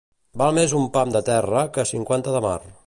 Més val un pam de terra que cinquanta de mar.